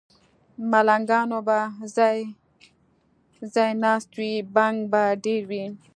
ملنګان به ځای، ځای ناست وي، بنګ به ډېر وي